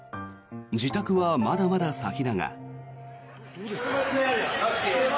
自宅はまだまだ先だが。